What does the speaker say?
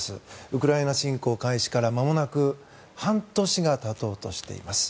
ウクライナ侵攻開始からまもなく半年がたとうとしています。